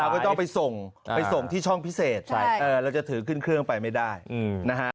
ก็ต้องไปส่งไปส่งที่ช่องพิเศษเราจะถือขึ้นเครื่องไปไม่ได้นะฮะ